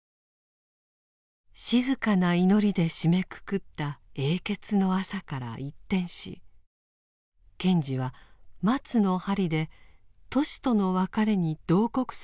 静かな祈りで締めくくった「永訣の朝」から一転し賢治は「松の針」でトシとの別れに慟哭する感情をあらわにしました。